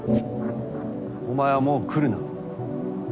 お前はもう来るな。